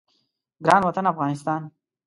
ګران وطن افغانستان